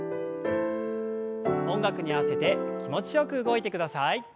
音楽に合わせて気持ちよく動いてください。